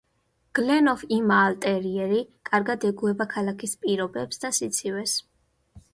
გლენ ოფ იმაალ ტერიერი კარგად ეგუება ქალაქის პირობებს და სიცივეს.